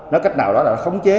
nói cách nào đó là khống chế